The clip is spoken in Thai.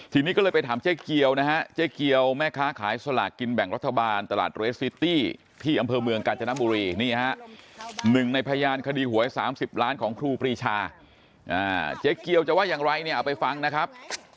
ทีนี้ก็เลยไปถามเจ๊เกียวนะฮะเจ๊เกียวแม่ค้าขายสลากกินแบ่งรัฐบาลตลาดเรสซิตี้ที่อำเภอเมืองกาญจนบุรีนี่ฮะหนึ่งในพยานคดีหวย๓๐ล้านของครูปรีชาเจ๊เกียวจะว่าอย่างไรเนี่ยเอาไปฟังนะครับ